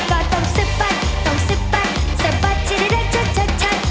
ก็ต้องสะบัดต้องสะบัดสะบัดจะได้ได้ชัดชัดชัด